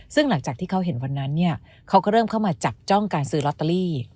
ซึ่งหลังจากที่เขาเห็นวันนั้นเนี่ยเขาก็เริ่มเข้ามาจับจ้องการซื้อลอตเตอรี่